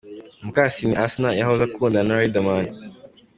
Mukasine Asnah: yahoze akundana na Riderman.